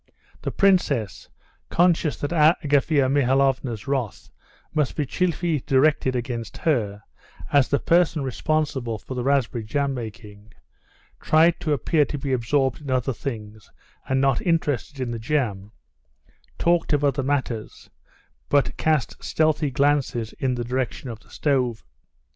The princess, conscious that Agafea Mihalovna's wrath must be chiefly directed against her, as the person responsible for the raspberry jam making, tried to appear to be absorbed in other things and not interested in the jam, talked of other matters, but cast stealthy glances in the direction of the stove.